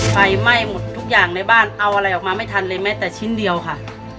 ไฟไหม้หมดทุกอย่างในบ้านเอาอะไรออกมาไม่ทันเลยแม้แต่ชิ้นเดียวค่ะ